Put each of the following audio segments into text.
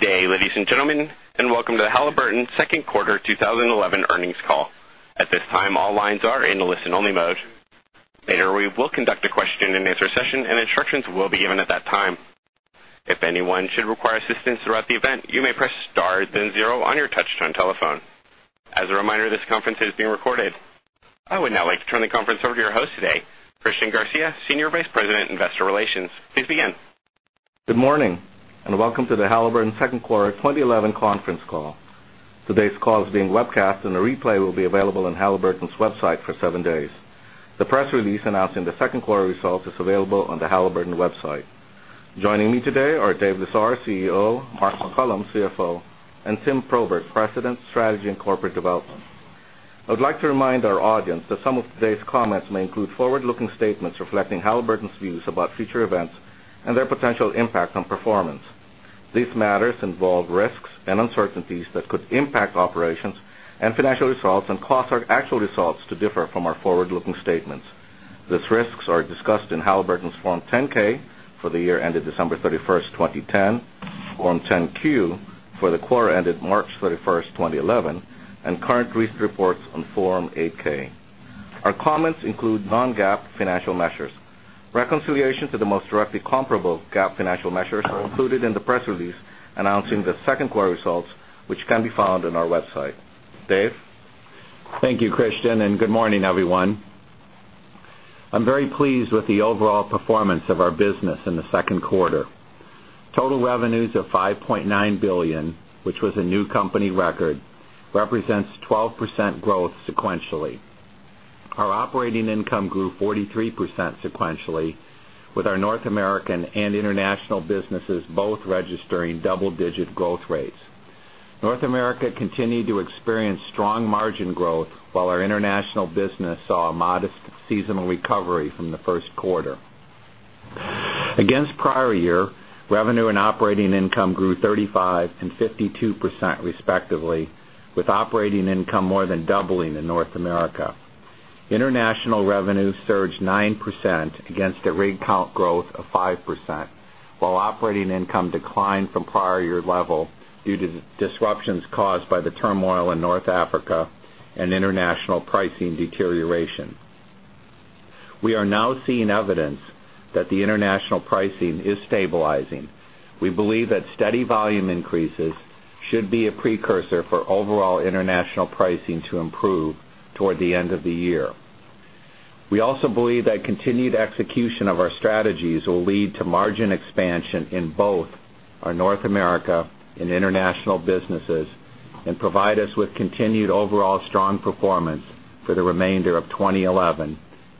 Good day, ladies and gentlemen, and welcome to the Halliburton Second Quarter 2011 Earnings Call. At this time, all lines are in listen-only mode. Later, we will conduct a question-and-answer session, and instructions will be given at that time. If anyone should require assistance throughout the event, you may press star, then zero on your touch-tone telephone. As a reminder, this conference is being recorded. I would now like to turn the conference over to our host today, Christian Garcia, Senior Vice President, investor relations. Please begin. Good morning, and welcome to the Halliburton Second Quarter 2011 Conference Call. Today's call is being webcast, and the replay will be available on Halliburton's website for seven days. The press release announcing the second quarter results is available on the Halliburton website. Joining me today are Dave Lesar, CEO, Mark McCollum, CFO, and Tim Probert, President, Strategy and Corporate Development. I would like to remind our audience that some of today's comments may include forward-looking statements reflecting Halliburton's views about future events and their potential impact on performance. These matters involve risks and uncertainties that could impact operations and financial results, and cause our actual results to differ from our forward-looking statements. These risks are discussed in Halliburton's Form 10-K for the year ended December 31st, 2010, Form 10-Q for the quarter ended March 31, 2011, and current recent reports on Form 8-K. Our comments include non-GAAP financial measures. Reconciliation to the most directly comparable GAAP financial measures are included in the press release announcing the second quarter results, which can be found on our website. Dave? Thank you, Christian, and good morning, everyone. I'm very pleased with the overall performance of our business in the second quarter. Total revenues of $5.9 billion, which was a new company record, represents 12% growth sequentially. Our operating income grew 43% sequentially, with our North American and international businesses both registering double-digit growth rates. North America continued to experience strong margin growth, while our international business saw a modest seasonal recovery from the first quarter. Against prior year, revenue and operating income grew 35% and 52% respectively, with operating income more than doubling in North America. International revenue surged 9% against a rig count growth of 5%, while operating income declined from prior-year level due to disruptions caused by the turmoil in North Africa and international pricing deterioration. We are now seeing evidence that the international pricing is stabilizing. We believe that steady volume increases should be a precursor for overall international pricing to improve toward the end of the year. We also believe that continued execution of our strategies will lead to margin expansion in both our North America and international businesses and provide us with continued overall strong performance for the remainder of 2011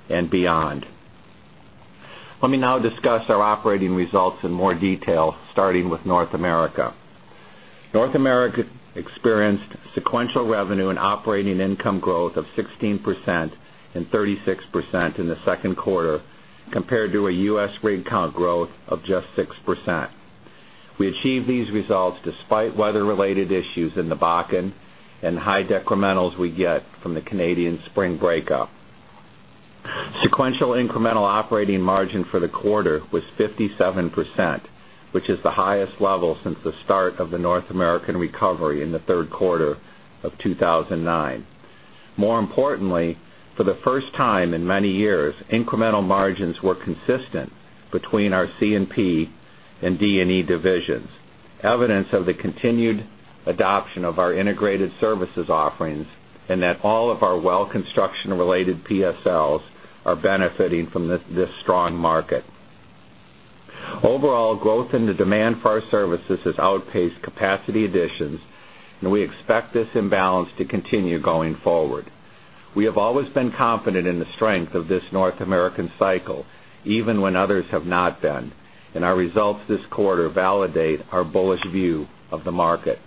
and beyond. Let me now discuss our operating results in more detail, starting with North America. North America experienced sequential revenue and operating income growth of 16% and 36% in the second quarter, compared to a U.S. rig count growth of just 6%. We achieved these results despite weather-related issues in the Bakken and high decrementals we get from the Canadian spring breakup. Sequential incremental operating margin for the quarter was 57%, which is the highest level since the start of the North American recovery in the third quarter of 2009. More importantly, for the first time in many years, incremental margins were consistent between our C&P and D&E divisions, evidence of the continued adoption of our integrated services offerings and that all of our well construction-related PSLs are benefiting from this strong market. Overall, growth in the demand for our services has outpaced capacity additions, and we expect this imbalance to continue going forward. We have always been confident in the strength of this North American cycle, even when others have not been, and our results this quarter validate our bullish view of the market.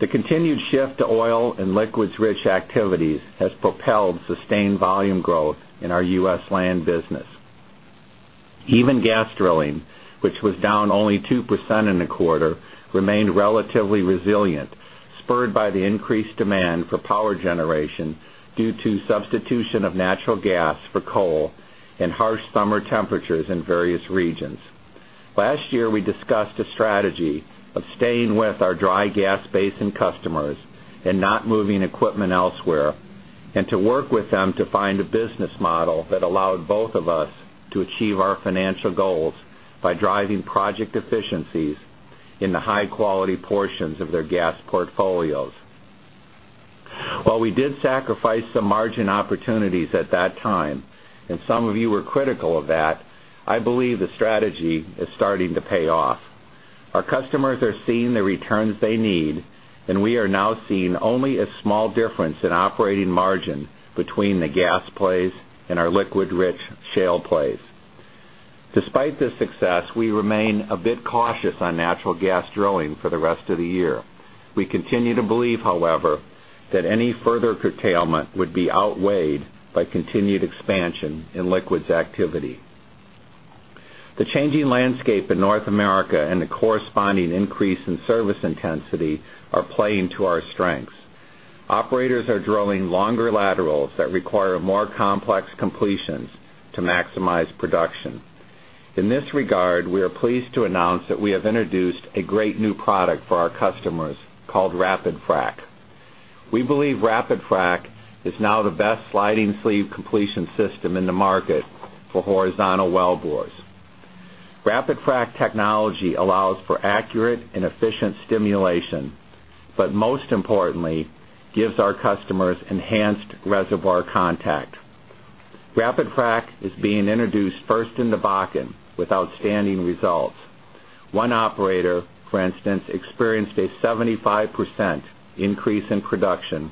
The continued shift to oil and liquids-rich activities has propelled sustained volume growth in our U.S. land business. Even gas drilling, which was down only 2% in the quarter, remained relatively resilient, spurred by the increased demand for power generation due to substitution of natural gas for coal and harsh summer temperatures in various regions. Last year, we discussed a strategy of staying with our dry gas basin customers and not moving equipment elsewhere, and to work with them to find a business model that allowed both of us to achieve our financial goals by driving project efficiencies in the high-quality portions of their gas portfolios. While we did sacrifice some margin opportunities at that time, and some of you were critical of that, I believe the strategy is starting to pay off. Our customers are seeing the returns they need, and we are now seeing only a small difference in operating margin between the gas plays and our liquids-rich shale plays. Despite this success, we remain a bit cautious on natural gas drilling for the rest of the year. We continue to believe, however, that any further curtailment would be outweighed by continued expansion in liquids activity. The changing landscape in North America and the corresponding increase in service intensity are playing to our strengths. Operators are drilling longer laterals that require more complex completions to maximize production. In this regard, we are pleased to announce that we have introduced a great new product for our customers called RapidFrac. We believe RapidFrac is now the best sliding sleeve completion system in the market for horizontal well bores. RapidFrac technology allows for accurate and efficient stimulation, but most importantly, gives our customers enhanced reservoir contact. RapidFrac is being introduced first in the Balkans with outstanding results. One operator, for instance, experienced a 75% increase in production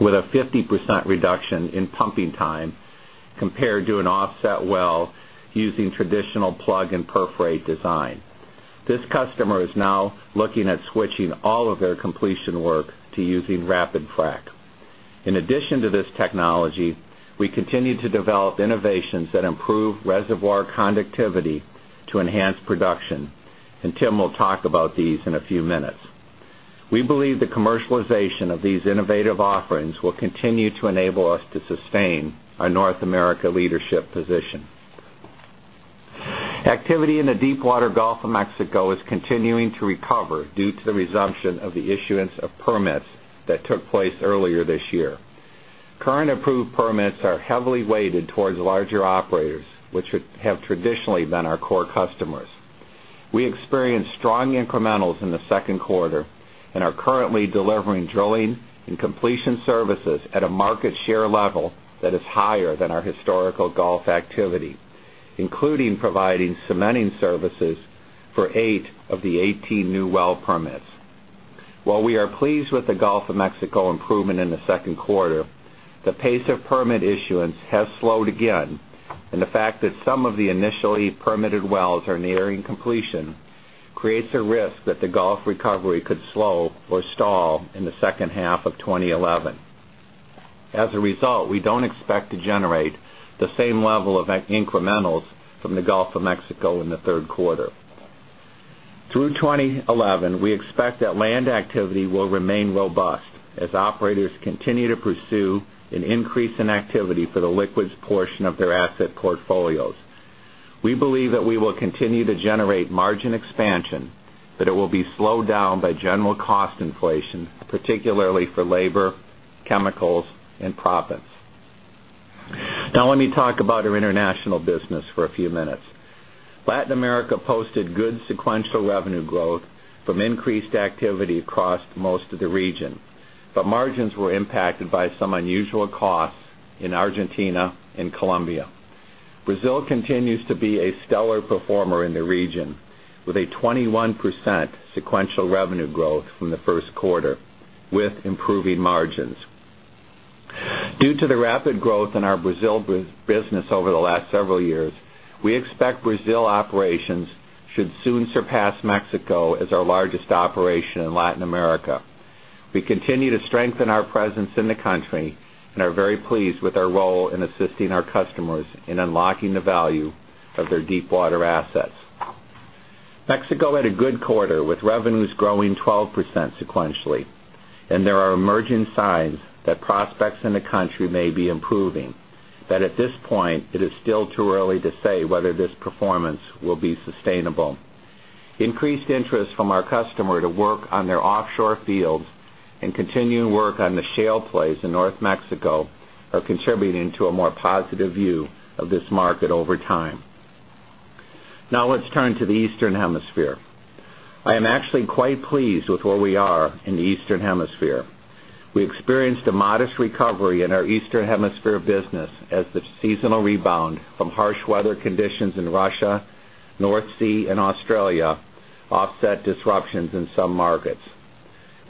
with a 50% reduction in pumping time compared to an offset well using traditional plug and perforate design. This customer is now looking at switching all of their completion work to using RapidFrac. In addition to this technology, we continue to develop innovations that improve reservoir conductivity to enhance production, and Tim will talk about these in a few minutes. We believe the commercialization of these innovative offerings will continue to enable us to sustain our North America leadership position. Activity in the deepwater Gulf of Mexico is continuing to recover due to the resumption of the issuance of permits that took place earlier this year. Current approved permits are heavily weighted towards larger operators, which have traditionally been our core customers. We experienced strong incrementals in the second quarter and are currently delivering drilling and completion services at a market share level that is higher than our historical Gulf activity, including providing cementing services for eight of the 18 new well permits. While we are pleased with the Gulf of Mexico improvement in the second quarter, the pace of permit issuance has slowed again, and the fact that some of the initially permitted wells are nearing completion creates a risk that the Gulf recovery could slow or stall in the second half of 2011. As a result, we don't expect to generate the same level of incrementals from the Gulf of Mexico in the third quarter. Through 2011, we expect that land activity will remain robust as operators continue to pursue an increase in activity for the liquids portion of their asset portfolios. We believe that we will continue to generate margin expansion, but it will be slowed down by general cost inflation, particularly for labor, chemicals, and proppant. Now, let me talk about our international business for a few minutes. Latin America posted good sequential revenue growth from increased activity across most of the region, but margins were impacted by some unusual costs in Argentina and Colombia. Brazil continues to be a stellar performer in the region, with a 21% sequential revenue growth from the first quarter with improving margins. Due to the rapid growth in our Brazil business over the last several years, we expect Brazil operations should soon surpass Mexico as our largest operation in Latin America. We continue to strengthen our presence in the country and are very pleased with our role in assisting our customers in unlocking the value of their deepwater assets. Mexico had a good quarter with revenues growing 12% sequentially, and there are emerging signs that prospects in the country may be improving, but at this point, it is still too early to say whether this performance will be sustainable. Increased interest from our customers to work on their offshore fields and continuing work on the shale plays in North Mexico are contributing to a more positive view of this market over time. Now, let's turn to the Eastern Hemisphere. I am actually quite pleased with where we are in the Eastern Hemisphere. We experienced a modest recovery in our Eastern Hemisphere business as the seasonal rebound from harsh weather conditions in Russia, the North Sea, and Australia offset disruptions in some markets.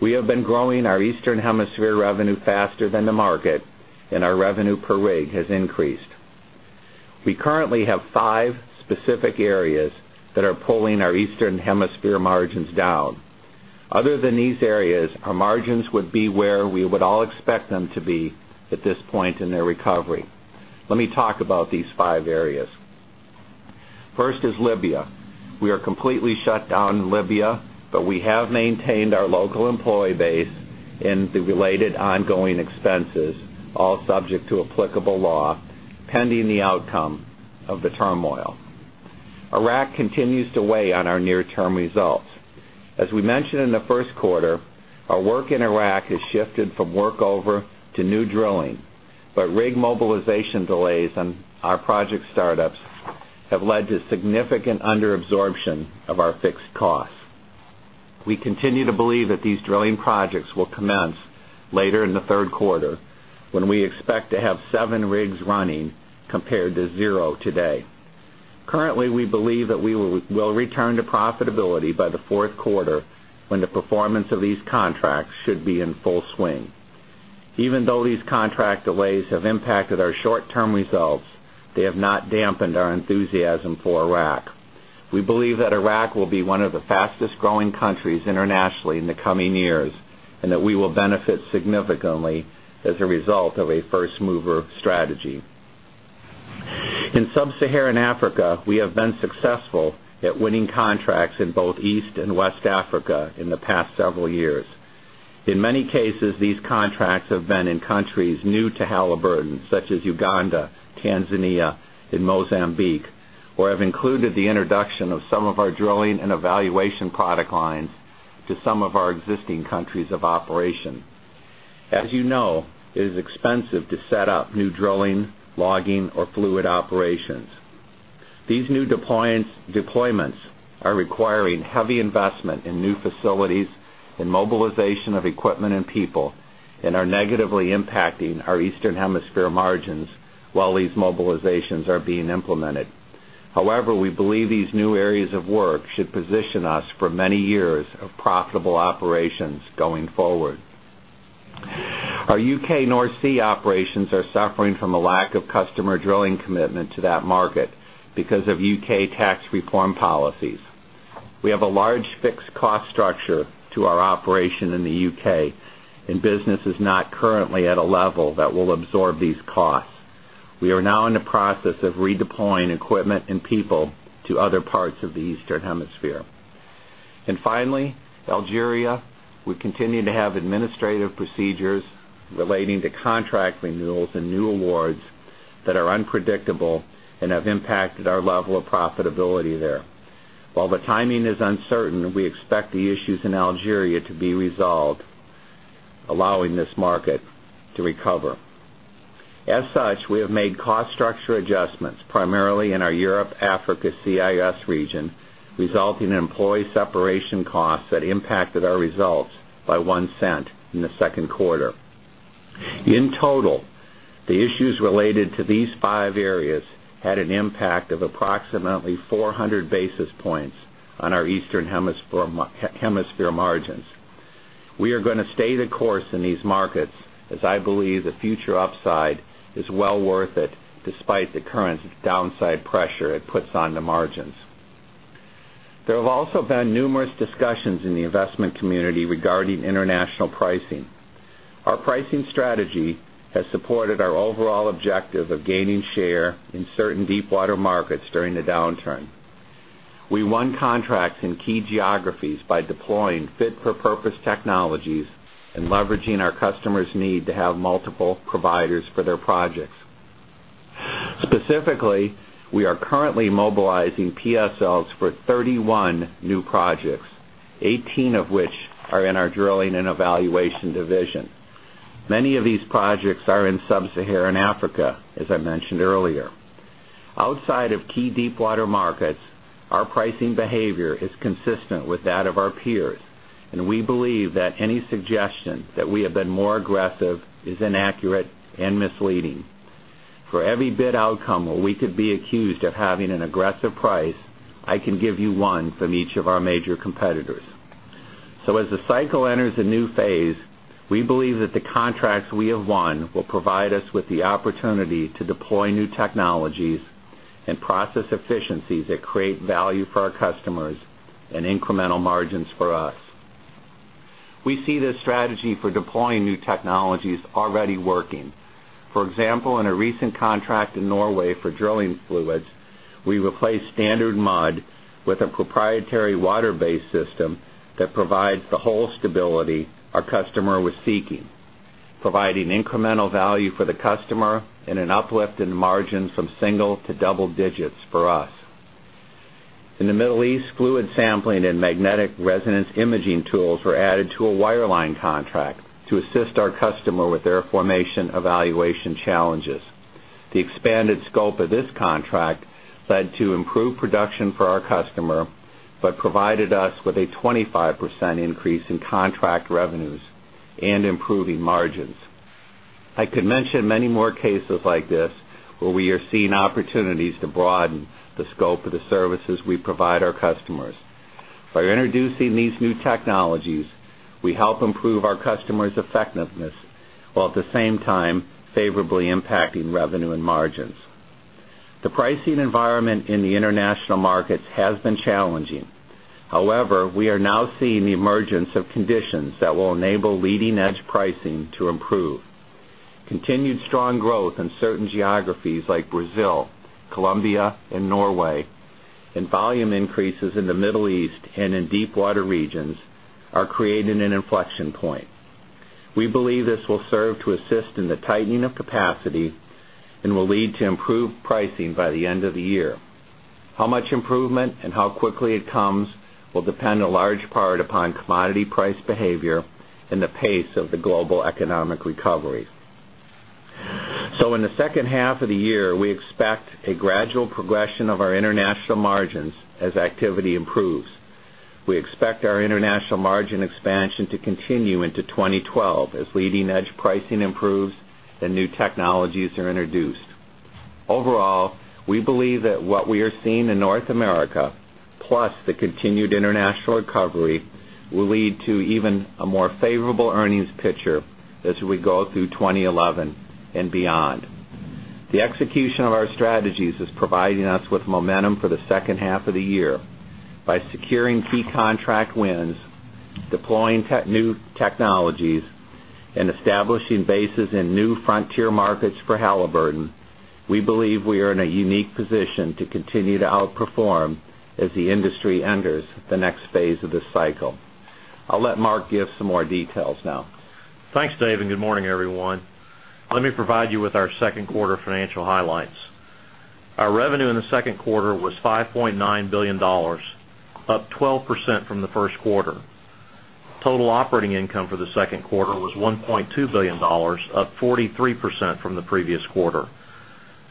We have been growing our Eastern Hemisphere revenue faster than the market, and our revenue per rig has increased. We currently have five specific areas that are pulling our Eastern Hemisphere margins down. Other than these areas, our margins would be where we would all expect them to be at this point in their recovery. Let me talk about these five areas. First is Libya. We are completely shut down in Libya, but we have maintained our local employee base and the related ongoing expenses, all subject to applicable law, pending the outcome of the turmoil. Iraq continues to weigh on our near-term results. As we mentioned in the first quarter, our work in Iraq has shifted from workover to new drilling, but rig mobilization delays on our project startups have led to significant underabsorption of our fixed costs. We continue to believe that these drilling projects will commence later in the third quarter when we expect to have seven rigs running compared to zero today. Currently, we believe that we will return to profitability by the fourth quarter when the performance of these contracts should be in full swing. Even though these contract delays have impacted our short-term results, they have not dampened our enthusiasm for Iraq. We believe that Iraq will be one of the fastest growing countries internationally in the coming years and that we will benefit significantly as a result of a first-mover strategy. In Sub-Saharan Africa, we have been successful at winning contracts in both East and West Africa in the past several years. In many cases, these contracts have been in countries new to Halliburton, such as Uganda, Tanzania, and Mozambique, or have included the introduction of some of our drilling and evaluation product lines to some of our existing countries of operation. As you know, it is expensive to set up new drilling, logging, or fluid operations. These new deployments are requiring heavy investment in new facilities and mobilization of equipment and people and are negatively impacting our Eastern Hemisphere margins while these mobilizations are being implemented. However, we believe these new areas of work should position us for many years of profitable operations going forward. Our U.K. North Sea operations are suffering from a lack of customer drilling commitment to that market because of U.K. tax reform policies. We have a large fixed cost structure to our operation in the U.K., and business is not currently at a level that will absorb these costs. We are now in the process of redeploying equipment and people to other parts of the Eastern Hemisphere. Finally, Algeria. We continue to have administrative procedures relating to contract renewals and new awards that are unpredictable and have impacted our level of profitability there. While the timing is uncertain, we expect the issues in Algeria to be resolved, allowing this market to recover. As such, we have made cost structure adjustments, primarily in our Europe/Africa CIS region, resulting in employee separation costs that impacted our results by $0.01 in the second quarter. In total, the issues related to these five areas had an impact of approximately 400 basis points on our Eastern Hemisphere margins. We are going to stay the course in these markets as I believe the future upside is well worth it despite the current downside pressure it puts on the margins. There have also been numerous discussions in the investment community regarding international pricing. Our pricing strategy has supported our overall objective of gaining share in certain deepwater markets during the downturn. We won contracts in key geographies by deploying fit-for-purpose technologies and leveraging our customers' need to have multiple providers for their projects. Specifically, we are currently mobilizing PSLs for 31 new projects, 18 of which are in our drilling and evaluation division. Many of these projects are in Sub-Saharan Africa, as I mentioned earlier. Outside of key deepwater markets, our pricing behavior is consistent with that of our peers, and we believe that any suggestion that we have been more aggressive is inaccurate and misleading. For every bid outcome where we could be accused of having an aggressive price, I can give you one from each of our major competitors. As the cycle enters a new phase, we believe that the contracts we have won will provide us with the opportunity to deploy new technologies and process efficiencies that create value for our customers and incremental margins for us. We see this strategy for deploying new technologies already working. For example, in a recent contract in Norway for drilling fluids, we replaced standard mud with a proprietary water-based system that provides the hole stability our customer was seeking, providing incremental value for the customer and an uplift in margins from single to double digits for us. In the Middle East, fluid sampling and magnetic resonance imaging tools were added to a wireline contract to assist our customer with their formation evaluation challenges. The expanded scope of this contract led to improved production for our customer and provided us with a 25% increase in contract revenues and improving margins. I could mention many more cases like this where we are seeing opportunities to broaden the scope of the services we provide our customers. By introducing these new technologies, we help improve our customers' effectiveness while at the same time favorably impacting revenue and margins. The pricing environment in the international markets has been challenging. However, we are now seeing the emergence of conditions that will enable leading-edge pricing to improve. Continued strong growth in certain geographies like Brazil, Colombia, and Norway, and volume increases in the Middle East and in deepwater regions are creating an inflection point. We believe this will serve to assist in the tightening of capacity and will lead to improved pricing by the end of the year. How much improvement and how quickly it comes will depend in large part upon commodity price behavior and the pace of the global economic recovery. In the second half of the year, we expect a gradual progression of our international margins as activity improves. We expect our international margin expansion to continue into 2012 as leading-edge pricing improves and new technologies are introduced. Overall, we believe that what we are seeing in North America, plus the continued international recovery, will lead to even a more favorable earnings picture as we go through 2011 and beyond. The execution of our strategies is providing us with momentum for the second half of the year. By securing key contract wins, deploying new technologies, and establishing bases in new frontier markets for Halliburton, we believe we are in a unique position to continue to outperform as the industry enters the next phase of this cycle. I'll let Mark give some more details now. Thanks, Dave, and good morning, everyone. Let me provide you with our second quarter financial highlights. Our revenue in the second quarter was $5.9 billion, up 12% from the first quarter. Total operating income for the second quarter was $1.2 billion, up 43% from the previous quarter.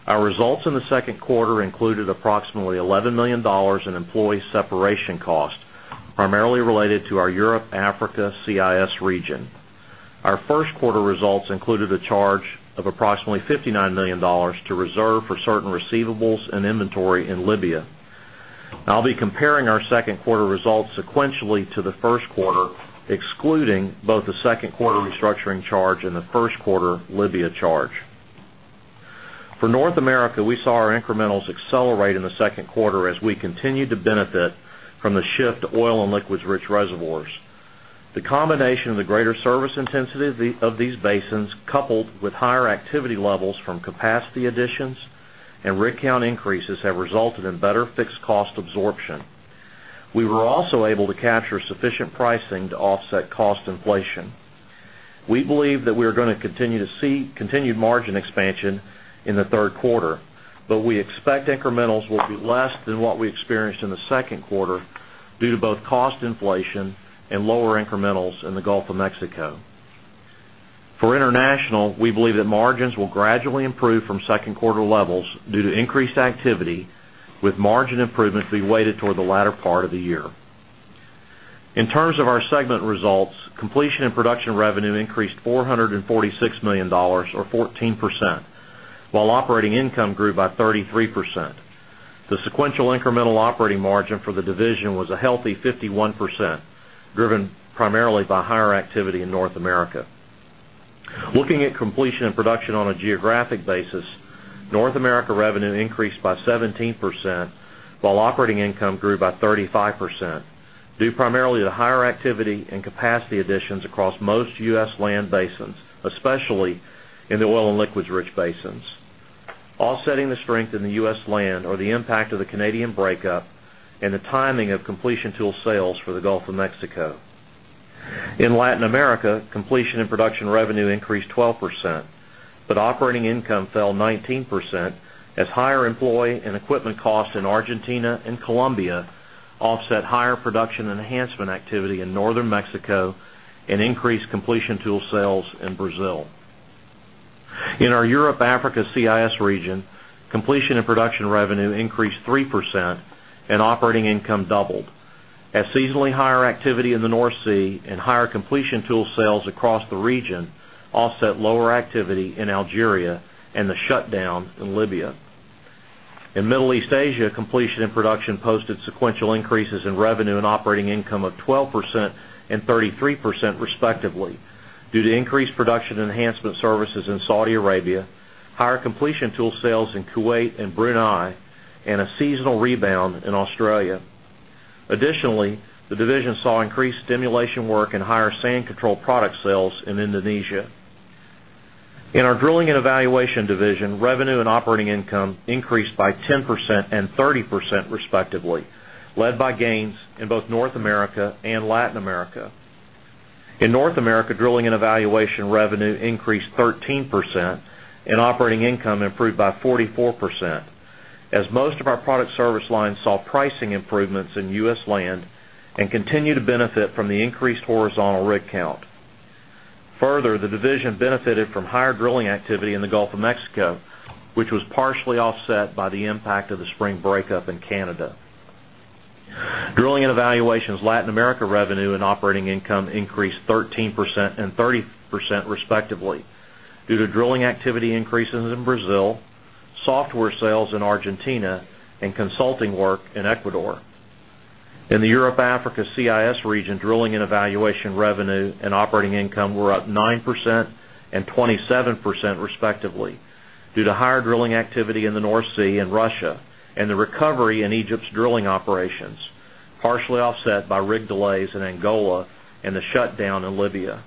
Our results in the second quarter included approximately $11 million in employee separation cost, primarily related to our Europe/Africa CIS region. Our first quarter results included a charge of approximately $59 million to reserve for certain receivables and inventory in Libya. I'll be comparing our second quarter results sequentially to the first quarter, excluding both the second quarter restructuring charge and the first quarter Libya charge. For North America, we saw our incrementals accelerate in the second quarter as we continued to benefit from the shift to oil and liquids-rich reservoirs. The combination of the greater service intensity of these basins, coupled with higher activity levels from capacity additions and rig count increases, have resulted in better fixed cost absorption. We were also able to capture sufficient pricing to offset cost inflation. We believe that we are going to continue to see continued margin expansion in the third quarter, but we expect incrementals will be less than what we experienced in the second quarter due to both cost inflation and lower incrementals in the Gulf of Mexico. For international, we believe that margins will gradually improve from second quarter levels due to increased activity, with margin improvements to be weighted toward the latter part of the year. In terms of our segment results, completion and production revenue increased $446 million, or 14%, while operating income grew by 33%. The sequential incremental operating margin for the division was a healthy 51%, driven primarily by higher activity in North America. Looking at completion and production on a geographic basis, North America revenue increased by 17%, while operating income grew by 35%, due primarily to higher activity and capacity additions across most U.S. land basins, especially in the oil and liquids-rich basins, offsetting the strength in the U.S. land or the impact of the Canadian breakup and the timing of completion tool sales for the Gulf of Mexico. In Latin America, completion and production revenue increased 12%, but operating income fell 19% as higher employee and equipment costs in Argentina and Colombia offset higher production enhancement activity in Northern Mexico and increased completion tool sales in Brazil. In our Europe/Africa CIS region, completion and production revenue increased 3% and operating income doubled, as seasonally higher activity in the North Sea and higher completion tool sales across the region offset lower activity in Algeria and the shutdown in Libya. In Middle East Asia, completion and production posted sequential increases in revenue and operating income of 12% and 33%, respectively, due to increased production enhancement services in Saudi Arabia, higher completion tool sales in Kuwait and Brunei, and a seasonal rebound in Australia. Additionally, the division saw increased stimulation work and higher sand control product sales in Indonesia. In our drilling and evaluation division, revenue and operating income increased by 10% and 30%, respectively, led by gains in both North America and Latin America. In North America, drilling and evaluation revenue increased 13% and operating income improved by 44%, as most of our product service lines saw pricing improvements in U.S. land and continue to benefit from the increased horizontal rig count. Further, the division benefited from higher drilling activity in the Gulf of Mexico, which was partially offset by the impact of the spring breakup in Canada. Drilling and evaluation's Latin America revenue and operating income increased 13% and 30%, respectively, due to drilling activity increases in Brazil, software sales in Argentina, and consulting work in Ecuador. In the Europe/Africa CIS region, drilling and evaluation revenue and operating income were up 9% and 27%, respectively, due to higher drilling activity in the North Sea in Russia and the recovery in Egypt's drilling operations, partially offset by rig delays in Angola and the shutdown in Libya.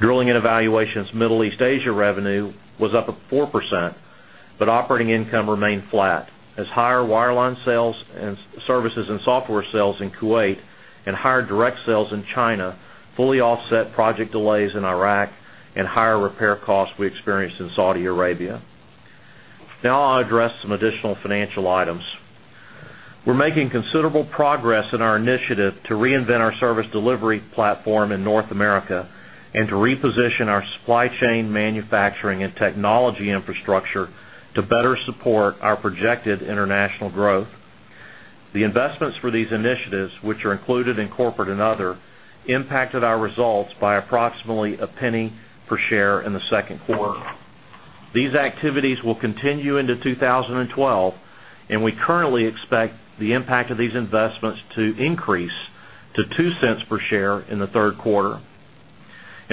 Drilling and evaluation's Middle East Asia revenue was up 4%, but operating income remained flat, as higher wireline sales and services and software sales in Kuwait and higher direct sales in China fully offset project delays in Iraq and higher repair costs we experienced in Saudi Arabia. Now, I'll address some additional financial items. We're making considerable progress in our initiative to reinvent our service delivery platform in North America and to reposition our supply chain, manufacturing, and technology infrastructure to better support our projected international growth. The investments for these initiatives, which are included in corporate and other, impacted our results by approximately $0.01 per share in the second quarter. These activities will continue into 2012, and we currently expect the impact of these investments to increase to $0.02 per share in the third quarter.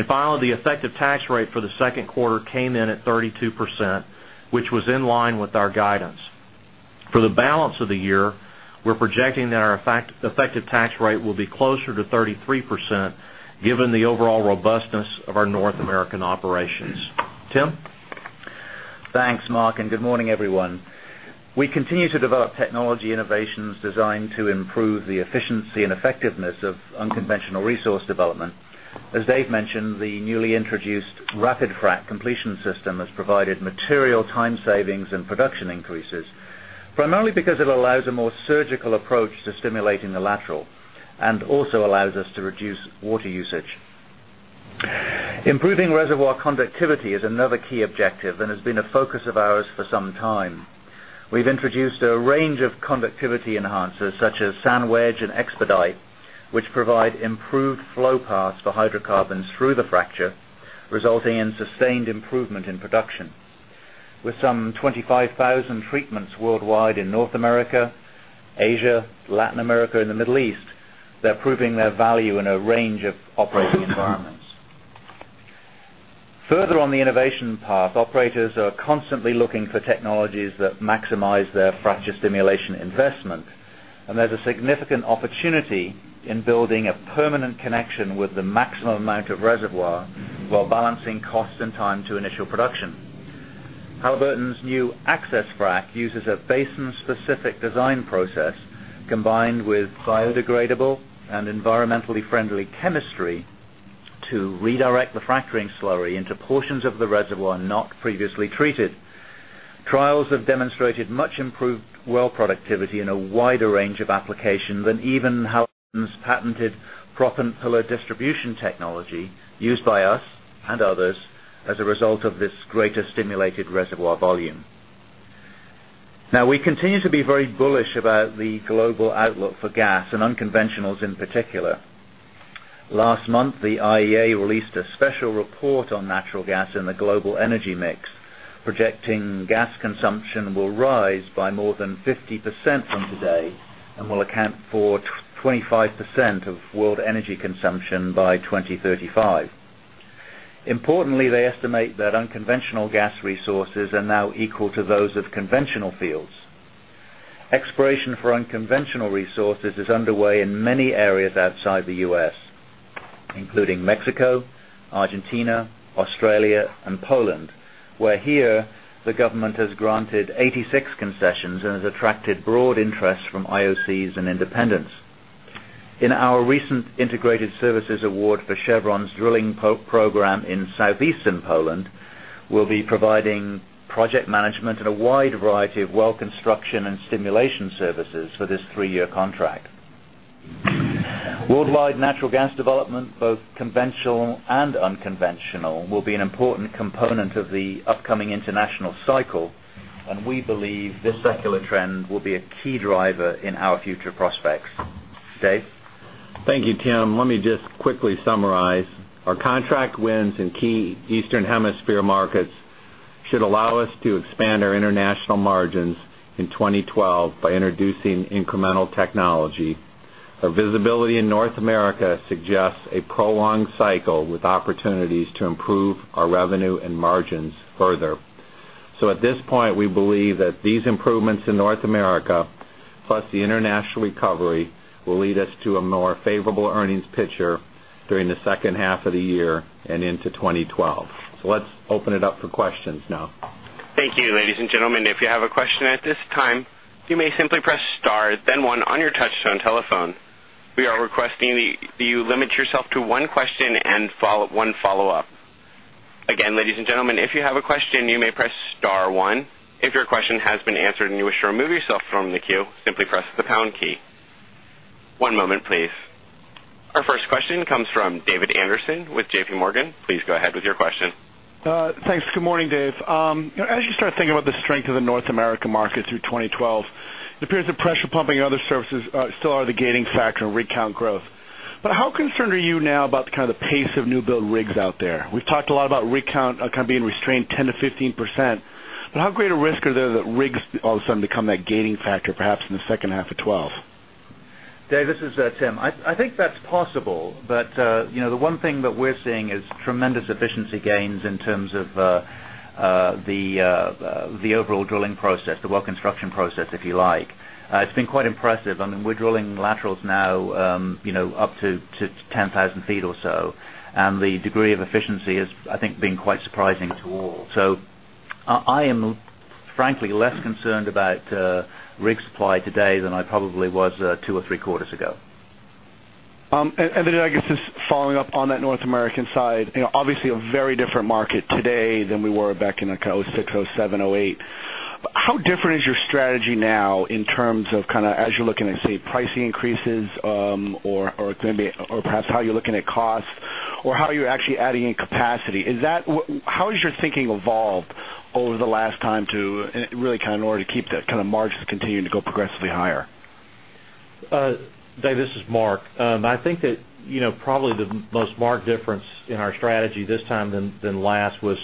Finally, the effective tax rate for the second quarter came in at 32%, which was in line with our guidance. For the balance of the year, we're projecting that our effective tax rate will be closer to 33%, given the overall robustness of our North American operations. Tim? Thanks, Mark, and good morning, everyone. We continue to develop technology innovations designed to improve the efficiency and effectiveness of unconventional resource development. As Dave mentioned, the newly introduced RapidFrac sliding sleeve completion system has provided material time savings and production increases, primarily because it allows a more surgical approach to stimulating the lateral and also allows us to reduce water usage. Improving reservoir conductivity is another key objective and has been a focus of ours for some time. We've introduced a range of conductivity enhancers such as SandWedge and Expedite, which provide improved flow paths for hydrocarbons through the fracture, resulting in sustained improvement in production. With some 25,000 treatments worldwide in North America, Asia, Latin America, and the Middle East, they're proving their value in a range of operating environments. Further on the innovation path, operators are constantly looking for technologies that maximize their fracture stimulation investment, and there's a significant opportunity in building a permanent connection with the maximum amount of reservoir while balancing costs and time to initial production. Halliburton's new AccessFrac uses a basin-specific design process combined with biodegradable and environmentally friendly chemistry to redirect the fracturing slurry into portions of the reservoir not previously treated. Trials have demonstrated much improved well productivity in a wider range of applications than even Halliburton's patented [Frothenfiller] distribution technology used by us and others as a result of this greater stimulated reservoir volume. We continue to be very bullish about the global outlook for gas and unconventionals in particular. Last month, the IEA released a special report on natural gas in the global energy mix, projecting gas consumption will rise by more than 50% from today and will account for 25% of world energy consumption by 2035. Importantly, they estimate that unconventional gas resources are now equal to those of conventional fields. Exploration for unconventional resources is underway in many areas outside the U.S., including Mexico, Argentina, Australia, and Poland, where the government has granted 86 concessions and has attracted broad interest from IOCs and independents. In our recent Integrated Services Award for Chevron's drilling program in southeastern Poland, we'll be providing project management and a wide variety of well construction and stimulation services for this three-year contract. Worldwide natural gas development, both conventional and unconventional, will be an important component of the upcoming international cycle, and we believe this secular trend will be a key driver in our future prospects. Dave? Thank you, Tim. Let me just quickly summarize. Our contract wins in key Eastern Hemisphere markets should allow us to expand our international margins in 2012 by introducing incremental technology. Our visibility in North America suggests a prolonged cycle with opportunities to improve our revenue and margins further. At this point, we believe that these improvements in North America, plus the international recovery, will lead us to a more favorable earnings picture during the second half of the year and into 2012. Let's open it up for questions now. Thank you, ladies and gentlemen. If you have a question at this time, you may simply press star, then one on your touch-tone telephone. We are requesting that you limit yourself to one question and one follow-up. Again, ladies and gentlemen, if you have a question, you may press star one. If your question has been answered and you wish to remove yourself from the queue, simply press the pound key. One moment, please. Our first question comes from David Anderson with JPMorgan. Please go ahead with your question. Thanks. Good morning, Dave. As you start thinking about the strength of the North American market through 2012, it appears that pressure pumping and other services still are the gating factor in rig count growth. How concerned are you now about the pace of new build rigs out there? We've talked a lot about rig count being restrained 10%-15%, but how great a risk is there that rigs all of a sudden become that gating factor, perhaps in the second half of 2012? Dave, this is Tim. I think that's possible, but the one thing that we're seeing is tremendous efficiency gains in terms of the overall drilling process, the well construction process, if you like. It's been quite impressive. We're drilling laterals now up to 10,000 ft or so, and the degree of efficiency has, I think, been quite surprising to all. I am frankly less concerned about rig supply today than I probably was two or three quarters ago. I guess just following up on that North American side, obviously a very different market today than we were back in the 2007, 2008. How different is your strategy now in terms of kind of as you're looking at, say, pricing increases or perhaps how you're looking at costs or how you're actually adding in capacity? How has your thinking evolved over the last time to really kind of in order to keep the kind of margins continuing to go progressively higher? Dave, this is Mark. I think that probably the most marked difference in our strategy this time than last was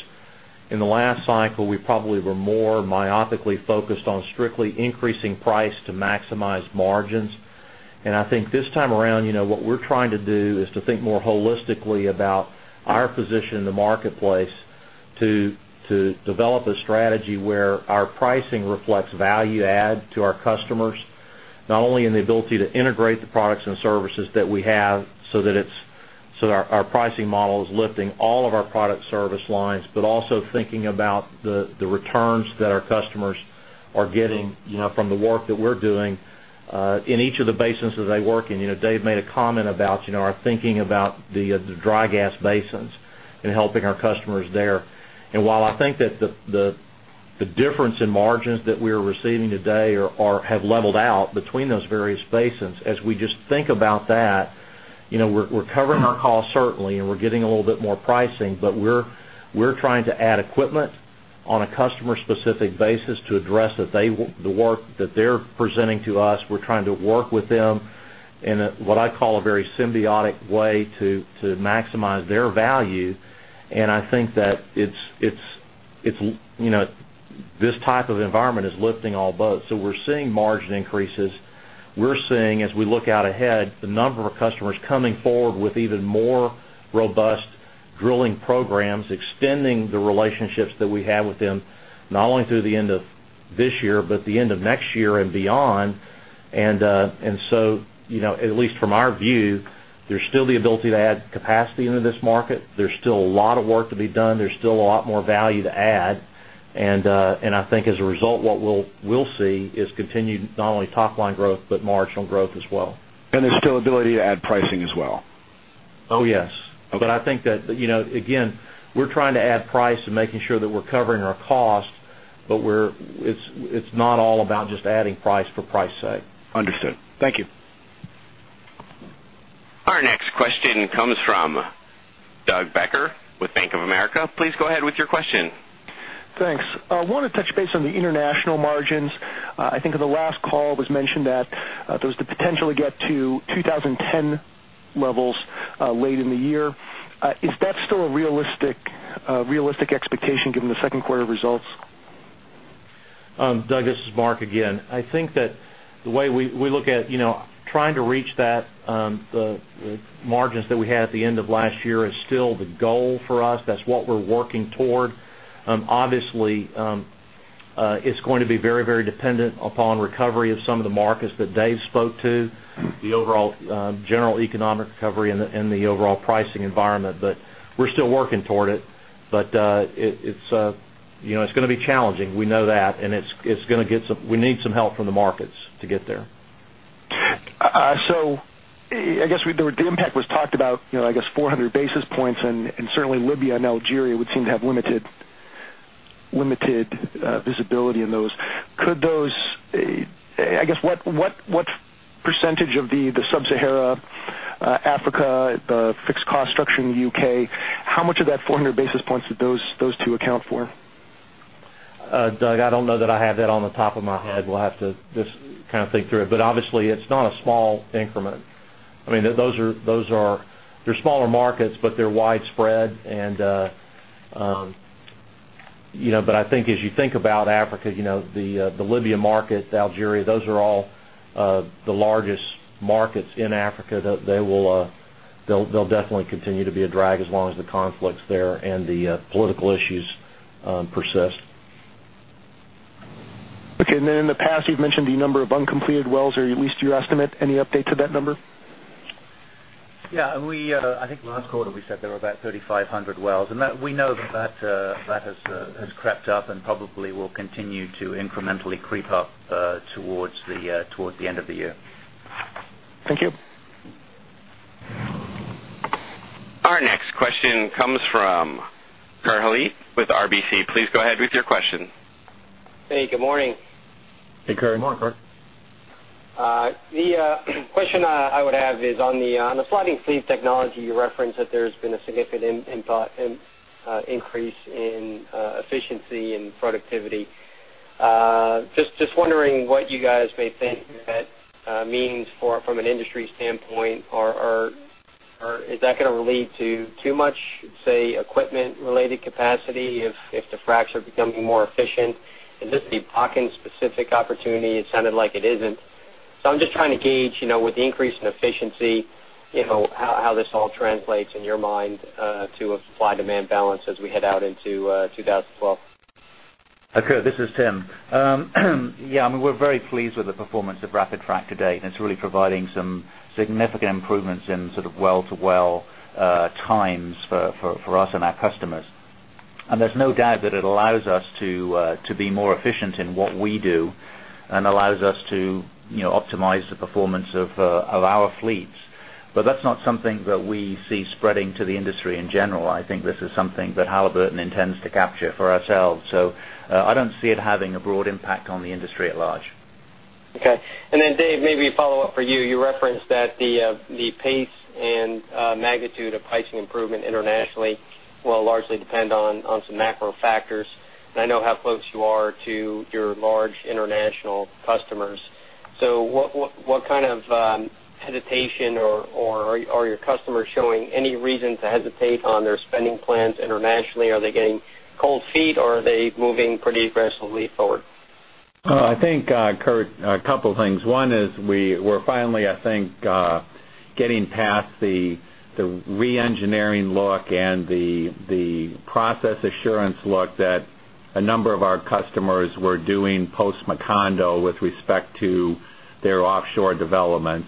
in the last cycle, we probably were more myopically focused on strictly increasing price to maximize margins. I think this time around, what we're trying to do is to think more holistically about our position in the marketplace to develop a strategy where our pricing reflects value add to our customers, not only in the ability to integrate the products and services that we have so that our pricing model is lifting all of our product service lines, but also thinking about the returns that our customers are getting from the work that we're doing in each of the basins that they work in. Dave made a comment about our thinking about the dry gas basins and helping our customers there. While I think that the difference in margins that we are receiving today have leveled out between those various basins, as we just think about that, we're covering our costs certainly, and we're getting a little bit more pricing, but we're trying to add equipment on a customer-specific basis to address the work that they're presenting to us. We're trying to work with them in what I call a very symbiotic way to maximize their value. I think that this type of environment is lifting all boats. We're seeing margin increases. We're seeing, as we look out ahead, the number of customers coming forward with even more robust drilling programs, extending the relationships that we have with them, not only through the end of this year, but the end of next year and beyond. At least from our view, there's still the ability to add capacity into this market. There's still a lot of work to be done. There's still a lot more value to add. I think as a result, what we'll see is continued not only top-line growth, but marginal growth as well. There is still the ability to add pricing as well. Yes, I think that, again, we're trying to add price and making sure that we're covering our cost, but it's not all about just adding price for price's sake. Understood. Thank you. Our next question comes from Doug Becker with Bank of America. Please go ahead with your question. Thanks. I want to touch base on the international margins. I think on the last call, it was mentioned that there was the potential to get to 2010 levels late in the year. Is that still a realistic expectation given the second quarter results? Doug, this is Mark again. I think that the way we look at trying to reach the margins that we had at the end of last year is still the goal for us. That's what we're working toward. Obviously, it's going to be very, very dependent upon recovery of some of the markets that Dave spoke to, the overall general economic recovery, and the overall pricing environment. We're still working toward it. It's going to be challenging. We know that, and we need some help from the markets to get there. I guess the impact was talked about, I guess, 400 basis points, and certainly Libya and Algeria would seem to have limited visibility in those. What percentage of the Sub-Saharan Africa, the fixed cost structure in the U.K., how much of that 400 basis points do those two account for? Doug, I don't know that I have that on the top of my head. We'll have to just kind of think through it. Obviously, it's not a small increment. They're smaller markets, but they're widespread. I think as you think about Africa, the Libya market, Algeria, those are all the largest markets in Africa. They'll definitely continue to be a drag as long as the conflicts there and the political issues persist. Okay. In the past, you've mentioned the number of uncompleted wells or at least your estimate. Any update to that number? Yeah, I think last quarter we said there were about 3,500 wells, and we know that has crept up and probably will continue to incrementally creep up toward the end of the year. Thank you. Our next question comes from Kurt Hallead with RBC. Please go ahead with your question. Hey, good morning. Hey, Kurt. Good morning, Kurt. The question I would have is on the sliding sleeve technology you referenced that there's been a significant increase in efficiency and productivity. Just wondering what you guys may think that means from an industry standpoint, or is that going to relate to too much, say, equipment-related capacity if the fracture becomes more efficient? Is this a basin-specific opportunity? It sounded like it isn't. I'm just trying to gauge with the increase in efficiency how this all translates in your mind to a supply-demand balance as we head out into 2012. Okay. This is Tim. Yeah, I mean, we're very pleased with the performance of RapidFrac to date, and it's really providing some significant improvements in sort of well-to-well times for us and our customers. There's no doubt that it allows us to be more efficient in what we do and allows us to optimize the performance of our fleets. That's not something that we see spreading to the industry in general. I think this is something that Halliburton intends to capture for ourselves. I don't see it having a broad impact on the industry at large. Okay. Dave, maybe a follow-up for you. You referenced that the pace and magnitude of pricing improvement internationally will largely depend on some macro factors, and I know how close you are to your large international customers. What kind of hesitation or are your customers showing any reason to hesitate on their spending plans internationally? Are they getting cold feet, or are they moving pretty aggressively forward? I think, Kurt, a couple of things. One is we're finally, I think, getting past the re-engineering look and the process assurance look that a number of our customers were doing post-Macondo with respect to their offshore developments.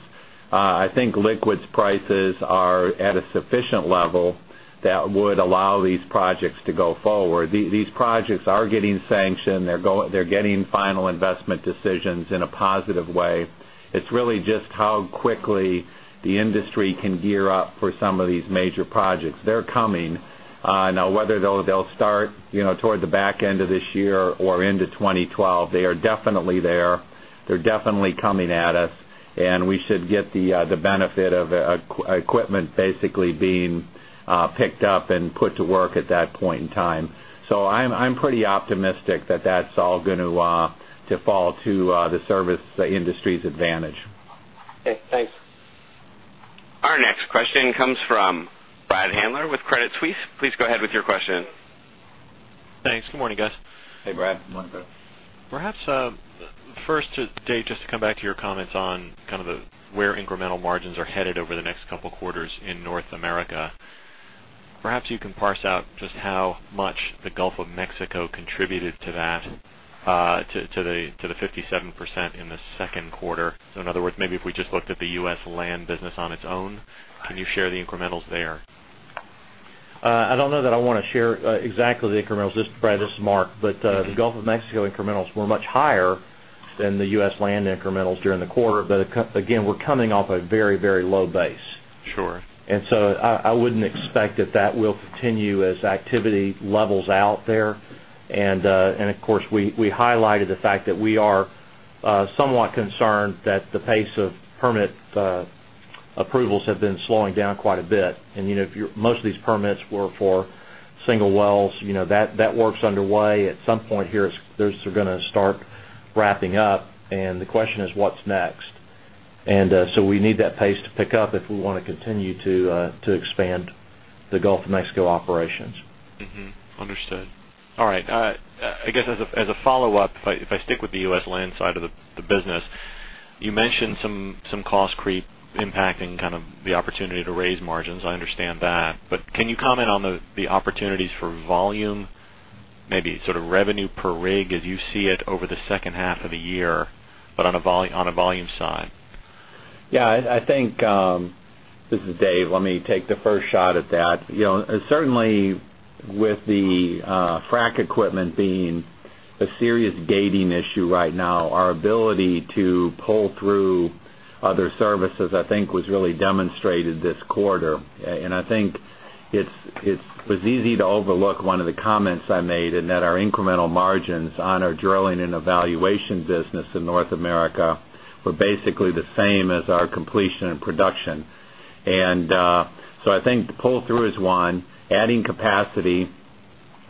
I think liquids prices are at a sufficient level that would allow these projects to go forward. These projects are getting sanctioned. They're getting final investment decisions in a positive way. It's really just how quickly the industry can gear up for some of these major projects. They're coming. Now, whether they'll start toward the back end of this year or into 2012, they are definitely there. They're definitely coming at us, and we should get the benefit of equipment basically being picked up and put to work at that point in time. I'm pretty optimistic that that's all going to fall to the service industry's advantage. Okay. Thanks. Our next question comes from Brad Handler with Credit Suisse. Please go ahead with your question. Thanks. Good morning, guys. Hey, Brad. Good morning, Kurt. Perhaps first, Dave, just to come back to your comments on kind of where incremental margins are headed over the next couple of quarters in North America, perhaps you can parse out just how much the Gulf of Mexico contributed to that, to the 57% in the second quarter. In other words, maybe if we just looked at the U.S. land business on its own, can you share the incrementals there? I don't know that I want to share exactly the incrementals. This is Mark, but the Gulf of Mexico incrementals were much higher than the U.S. land incrementals during the quarter. Again, we're coming off a very, very low base. Sure. I wouldn't expect that will continue as activity levels out there. Of course, we highlighted the fact that we are somewhat concerned that the pace of permit approvals has been slowing down quite a bit. If most of these permits were for single wells, that work's underway. At some point here, they're going to start wrapping up, and the question is what's next? We need that pace to pick up if we want to continue to expand the Gulf of Mexico operations. Understood. All right. I guess as a follow-up, if I stick with the U.S. land side of the business, you mentioned some cost creep impacting kind of the opportunity to raise margins. I understand that, but can you comment on the opportunities for volume, maybe sort of revenue per rig as you see it over the second half of the year, on a volume side? Yeah, I think this is Dave. Let me take the first shot at that. Certainly, with the frac equipment being a serious gating issue right now, our ability to pull through other services, I think, was really demonstrated this quarter. I think it was easy to overlook one of the comments I made in that our incremental margins on our drilling and evaluation business in North America were basically the same as our completion and production. I think pull-through is one. Adding capacity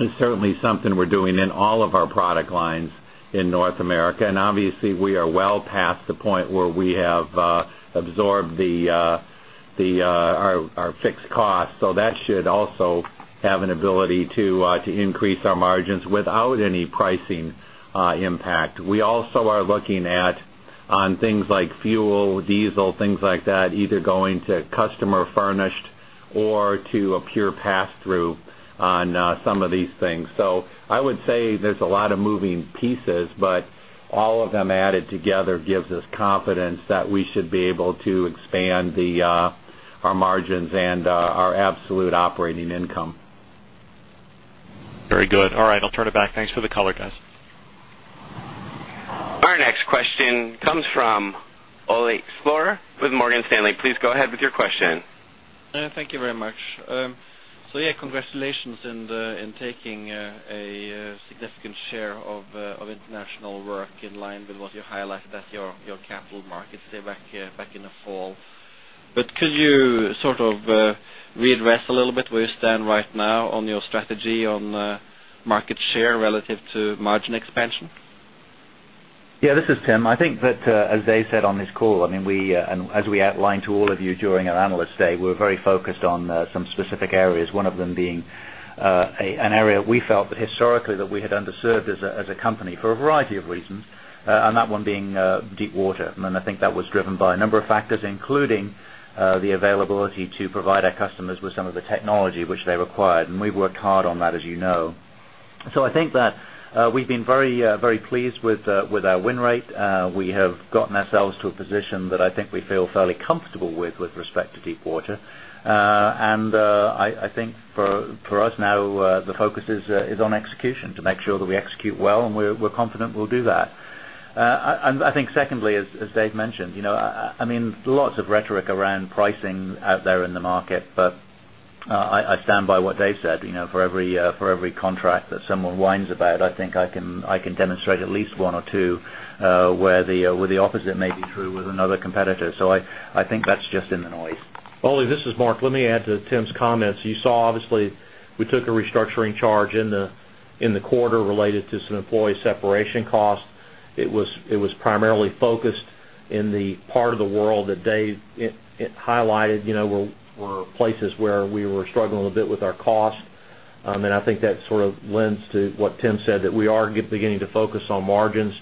is certainly something we're doing in all of our product lines in North America. Obviously, we are well past the point where we have absorbed our fixed costs, though that should also have an ability to increase our margins without any pricing impact. We also are looking at things like fuel, diesel, things like that, either going to customer-furnished or to a pure pass-through on some of these things. I would say there's a lot of moving pieces, but all of them added together gives us confidence that we should be able to expand our margins and our absolute operating income. Very good. All right, I'll turn it back. Thanks for the color, guys. Our next question comes from Ole Slorer with Morgan Stanley. Please go ahead with your question. Thank you very much. Congratulations in taking a significant share of international work in line with what you highlighted at your capital markets back in the fall. Could you readdress a little bit where you stand right now on your strategy on market share relative to margin expansion? Yeah, this is Tim. I think that, as Dave said on this call, and as we outlined to all of you during our Analyst Day, we're very focused on some specific areas, one of them being an area we felt that historically we had underserved as a company for a variety of reasons, and that one being deepwater. I think that was driven by a number of factors, including the availability to provide our customers with some of the technology which they required. We've worked hard on that, as you know. I think that we've been very pleased with our win rate. We have gotten ourselves to a position that I think we feel fairly comfortable with with respect to deepwater. For us now, the focus is on execution to make sure that we execute well, and we're confident we'll do that. I think secondly, as Dave mentioned, lots of rhetoric around pricing out there in the market, but I stand by what Dave said. For every contract that someone whines about, I think I can demonstrate at least one or two where the opposite may be true with another competitor. I think that's just in the noise. Ole, this is Mark. Let me add to Tim's comments. You saw, obviously, we took a restructuring charge in the quarter related to some employee separation costs. It was primarily focused in the part of the world that Dave highlighted, were places where we were struggling a bit with our cost. I think that sort of lends to what Tim said, that we are beginning to focus on margins.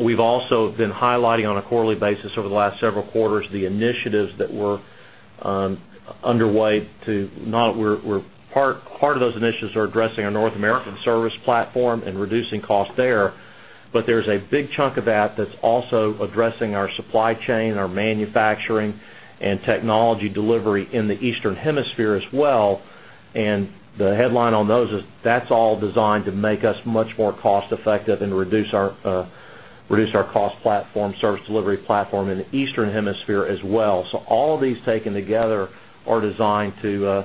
We've also been highlighting on a quarterly basis over the last several quarters the initiatives that were underway. Part of those initiatives are addressing our North American service platform and reducing costs there, but there's a big chunk of that that's also addressing our supply chain, our manufacturing, and technology delivery in the Eastern Hemisphere as well. The headline on those is that's all designed to make us much more cost-effective and reduce our cost platform, service delivery platform in the Eastern Hemisphere as well. All of these taken together are designed to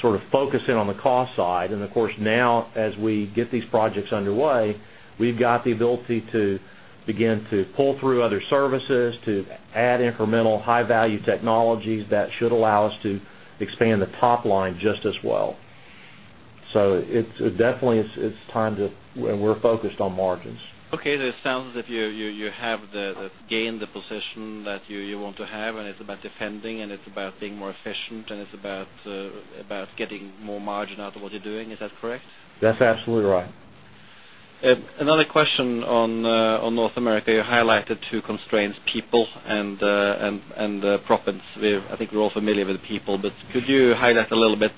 sort of focus in on the cost side. Of course, now as we get these projects underway, we've got the ability to begin to pull through other services, to add incremental high-value technologies that should allow us to expand the top line just as well. Definitely it's time to, and we're focused on margins. Okay, it sounds as if you have gained the position that you want to have, and it's about defending, being more efficient, and getting more margin out of what you're doing. Is that correct? That's absolutely right. Another question on North America. You highlighted two constraints: people and proppant. I think we're all familiar with people, but could you highlight a little bit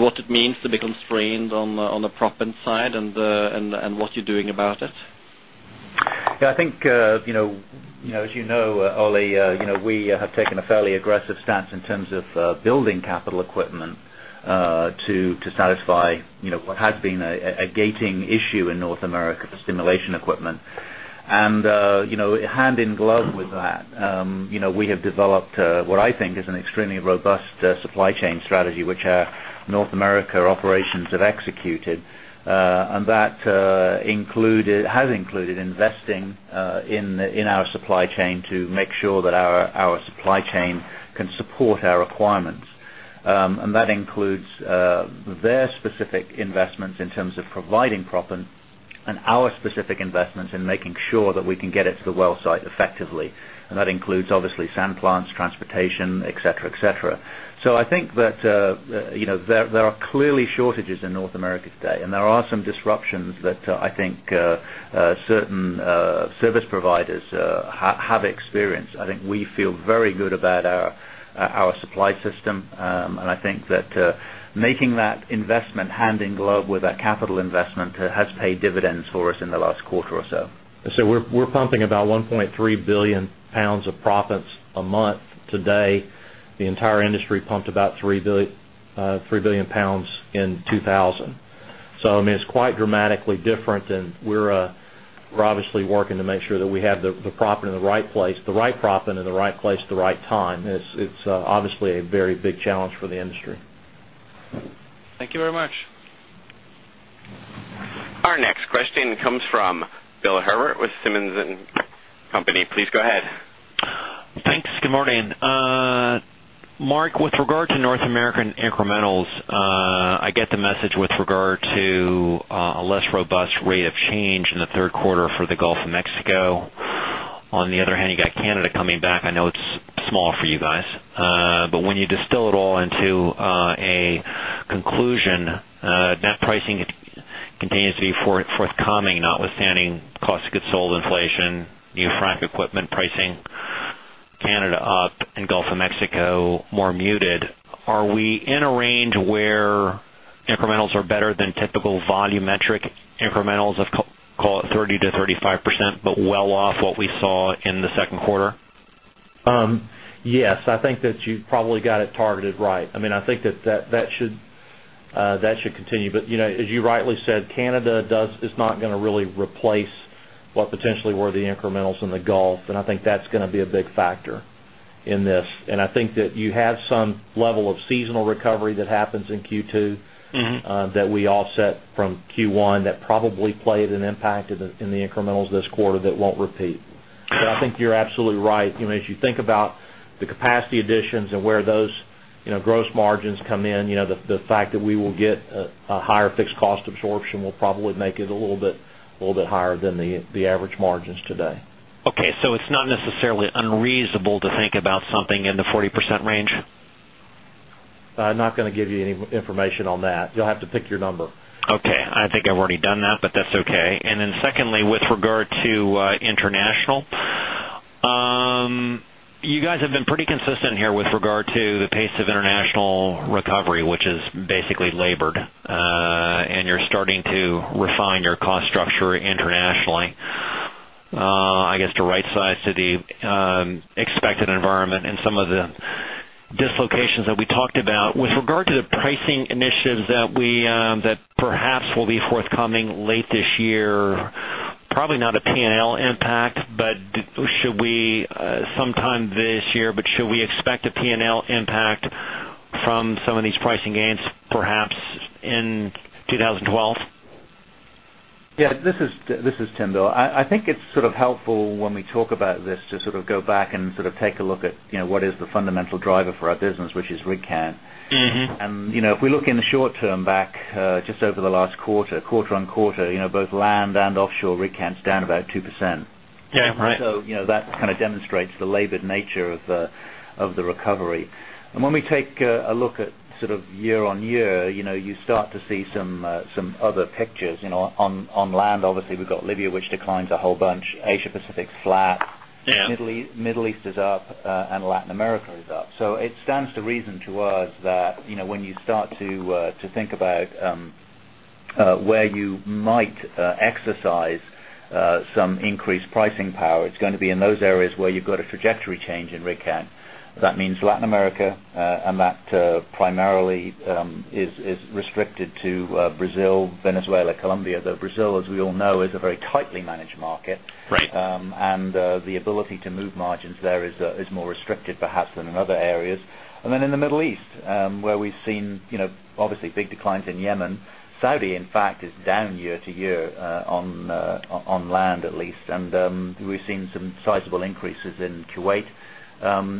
what it means to be constrained on the proppant side and what you're doing about it? I think, you know, as you know, Ole, we have taken a fairly aggressive stance in terms of building capital equipment to satisfy what has been a gating issue in North America for stimulation equipment. Hand in glove with that, we have developed what I think is an extremely robust supply chain strategy, which our North America operations have executed. That has included investing in our supply chain to make sure that our supply chain can support our requirements. That includes their specific investments in terms of providing proppant and our specific investments in making sure that we can get it to the well site effectively. That includes, obviously, sand plants, transportation, etc. I think that there are clearly shortages in North America today, and there are some disruptions that I think certain service providers have experienced. I think we feel very good about our supply system, and I think that making that investment hand in glove with that capital investment has paid dividends for us in the last quarter or so. We're pumping about 1.3 billion lbs of proppant a month today. The entire industry pumped about 3 billion lbs in 2000. It's quite dramatically different, and we're obviously working to make sure that we have the proppant in the right place, the right proppant in the right place at the right time. It's obviously a very big challenge for the industry. Thank you very much. Our next question comes from Bill Herbert with Simmons & Company. Please go ahead. Thanks. Good morning. Mark, with regard to North American incrementals, I get the message with regard to a less robust rate of change in the third quarter for the Gulf of Mexico. On the other hand, you got Canada coming back. I know it's small for you guys, but when you distill it all into a conclusion, net pricing continues to be forthcoming, notwithstanding costs to get sold, inflation, U.S. frac equipment pricing, Canada up, and Gulf of Mexico more muted. Are we in a range where incrementals are better than typical volumetric incrementals of, call it, 30%-35%, but well off what we saw in the second quarter? Yes, I think that you've probably got it targeted right. I mean, I think that that should continue, but you know, as you rightly said, Canada is not going to really replace what potentially were the incrementals in the Gulf, and I think that's going to be a big factor in this. I think that you have some level of seasonal recovery that happens in Q2 that we offset from Q1 that probably played an impact in the incrementals this quarter that won't repeat. I think you're absolutely right. As you think about the capacity additions and where those gross margins come in, the fact that we will get a higher fixed cost absorption will probably make it a little bit higher than the average margins today. Okay, so it's not necessarily unreasonable to think about something in the 40% range? I'm not going to give you any information on that. You'll have to pick your number. Okay, I think I've already done that, that's okay. Secondly, with regard to international, you guys have been pretty consistent here with regard to the pace of international recovery, which is basically labored, and you're starting to refine your cost structure internationally, I guess to right-size to the expected environment and some of the dislocations that we talked about. With regard to the pricing initiatives that perhaps will be forthcoming late this year, probably not a P&L impact, but should we expect a P&L impact from some of these pricing gains, perhaps in 2012? Yeah, this is Tim, though. I think it's helpful when we talk about this to go back and take a look at what is the fundamental driver for our business, which is rig count. If we look in the short term back just over the last quarter, quarter on quarter, both land and offshore rig counts down about 2%. Yeah, right. That kind of demonstrates the labored nature of the recovery. When we take a look at sort of year on year, you start to see some other pictures. On land, obviously, we've got Libya, which declines a whole bunch. Asia-Pacific's flat. Yeah. Middle East is up, and Latin America is up. It stands to reason to us that when you start to think about where you might exercise some increased pricing power, it's going to be in those areas where you've got a trajectory change in rig count. That means Latin America, and that primarily is restricted to Brazil, Venezuela, Colombia, though Brazil, as we all know, is a very tightly managed market. Right. The ability to move margins there is more restricted perhaps than in other areas. In the Middle East, where we've seen obviously big declines in Yemen, Saudi, in fact, is down year to year on land at least. We've seen some sizable increases in Kuwait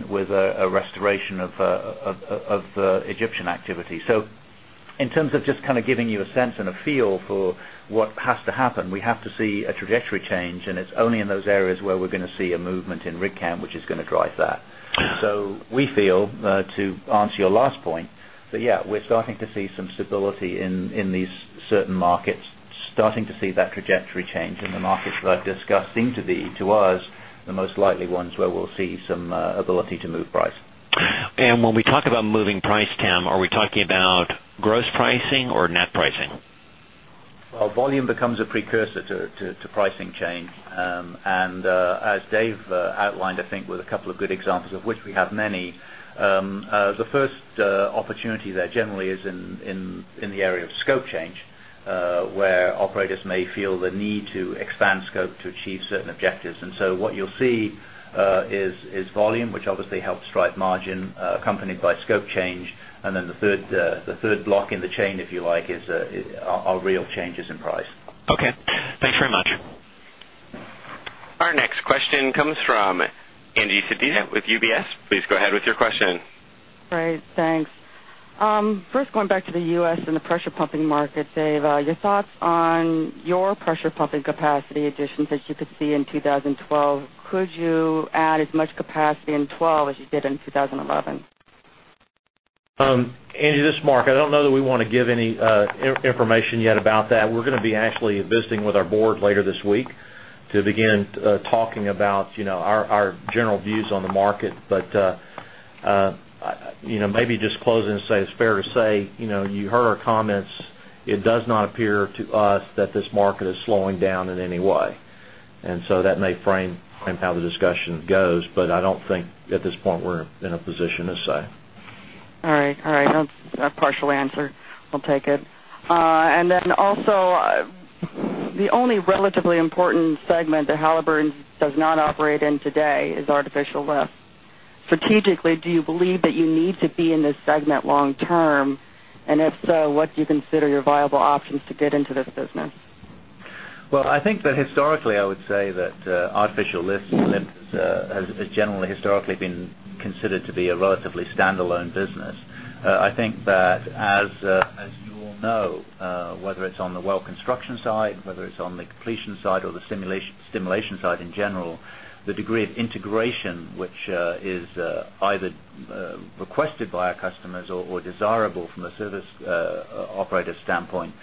with a restoration of Egyptian activity. In terms of just kind of giving you a sense and a feel for what has to happen, we have to see a trajectory change, and it's only in those areas where we're going to see a movement in rig count, which is going to drive that. We feel, to answer your last point, that yeah, we're starting to see some stability in these certain markets, starting to see that trajectory change in the markets we're discussing. To us, the most likely ones where we'll see some ability to move price. When we talk about moving price, Tim, are we talking about gross pricing or net pricing? Volume becomes a precursor to pricing change. As Dave outlined, I think, with a couple of good examples, of which we have many, the first opportunity there generally is in the area of scope change, where operators may feel the need to expand scope to achieve certain objectives. What you'll see is volume, which obviously helps drive margin, accompanied by scope change. The third block in the chain, if you like, are real changes in price. Okay, thanks very much. Our next question comes from Angie Sedita with UBS. Please go ahead with your question. Right. Thanks. First, going back to the U.S. and the pressure pumping market, Dave, your thoughts on your pressure pumping capacity additions that you could see in 2012. Could you add as much capacity in 2012 as you did in 2011? Angie, this is Mark. I don't know that we want to give any information yet about that. We're going to be actually visiting with our board later this week to begin talking about our general views on the market. Maybe just closing to say it's fair to say, you heard our comments. It does not appear to us that this market is slowing down in any way. That may frame how the discussion goes, but I don't think at this point we're in a position to say. All right. That's a partial answer. We'll take it. The only relatively important segment that Halliburton does not operate in today is artificial lift. Strategically, do you believe that you need to be in this segment long term? If so, what do you consider your viable options to get into this business? I think that historically I would say that artificial lift has generally historically been considered to be a relatively standalone business. I think that as you all know, whether it's on the well construction side, whether it's on the completion side or the stimulation side in general, the degree of integration which is either requested by our customers or desirable from a service operator standpoint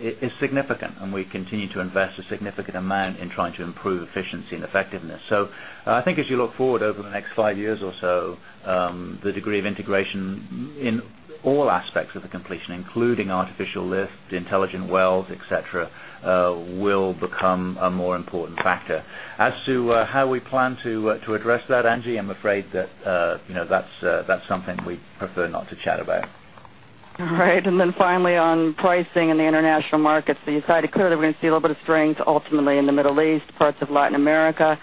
is significant, and we continue to invest a significant amount in trying to improve efficiency and effectiveness. I think as you look forward over the next five years or so, the degree of integration in all aspects of the completion, including artificial lift, intelligent wells, etc., will become a more important factor. As to how we plan to address that, Angie, I'm afraid that that's something we'd prefer not to chat about. Right. Finally, on pricing in the international markets, you cited clearly we're going to see a little bit of strength ultimately in the Middle East, parts of Latin America.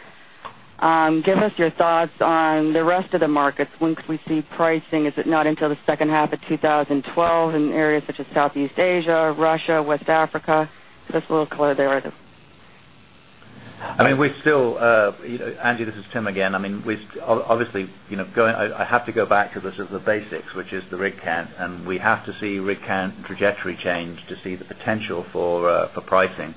Give us your thoughts on the rest of the markets. Once we see pricing, is it not until the second half of 2012 in areas such as Southeast Asia, Russia, West Africa? Just a little clear there. I mean, we're still, Angie, this is Tim again. I mean, obviously, I have to go back to the basics, which is the rig count, and we have to see rig count and trajectory change to see the potential for pricing.